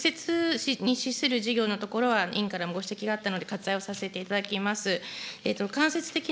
委員ご指摘の直接にしする事業のところは委員からもご指摘があったので、割愛をさせていただきます。